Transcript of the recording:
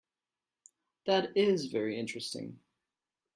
That is very interesting.